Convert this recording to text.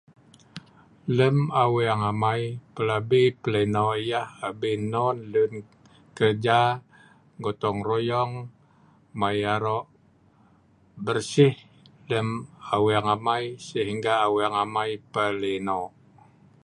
Lem Aweng amai pelabi pelino yah ,abin non abin lun kerja gotong royong mai aro bersih lem Aweng amai sehingga Aweng amai pelino